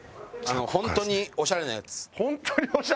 本当におしゃれなやつ？